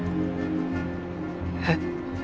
えっ？